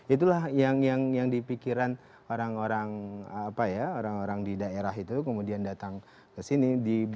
itulah yang dipikiran orang orang apa ya orang orang di daerah itu kemudian datang ke sini